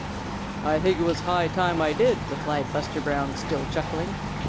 "I think it was high time I did," replied Buster Bear, still chuckling.